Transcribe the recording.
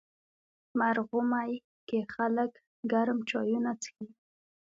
مرغومی کې خلک ګرم چایونه څښي.